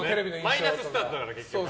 マイナススタートだから結局。